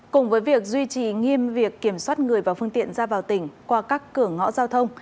cùng với việc duy trì nghiêm việc kiểm soát người và phương tiện ra vào tỉnh qua các cửa ngõ giao thông